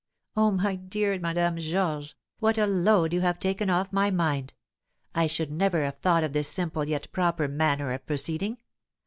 "Oh, my dear Madame Georges, what a load you have taken off my mind! I should never have thought of this simple yet proper manner of proceeding.